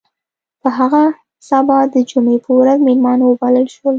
په هغه سبا د جمعې په ورځ میلمانه وبلل شول.